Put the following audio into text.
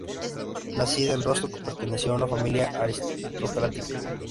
Nacida en Rostock, perteneció a una familia aristocrática.